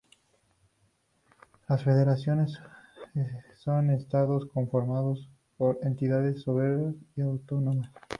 Las federaciones son estados conformados por entidades soberanas y autónomas.